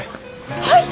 はい！